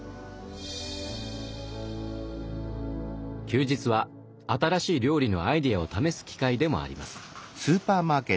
休日は新しい料理のアイデアを試す機会でもあります。